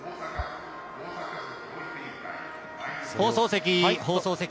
◆放送席、放送席。